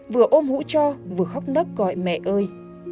vừa ôm hũ cho vừa khóc nấc gọi mẹ ơi